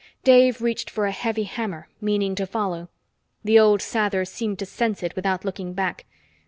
Dave reached for a heavy hammer, meaning to follow. The old Sather seemed to sense it without looking back.